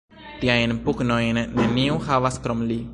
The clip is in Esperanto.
Tiajn pugnojn neniu havas, krom li!